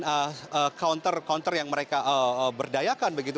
jumlah check in counter counter yang mereka berdayakan begitu